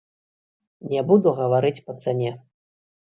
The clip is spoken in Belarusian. Не буду гаварыць па цане.